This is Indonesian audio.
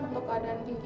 untuk keadaan itu